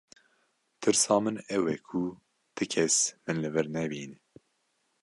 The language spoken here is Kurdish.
Tirsa min ew e ku ti kes min li vir nebîne.